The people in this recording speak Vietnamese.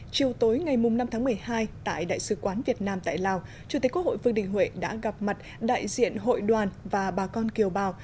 chiều tối ngày năm tháng một mươi hai tại đại sứ quán việt nam tại lào chủ tịch quốc hội vương đình huệ đã gặp mặt đại diện hội đoàn và bà con kiều bào